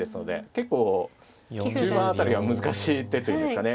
結構中盤辺りが難しい手と言うんですかね。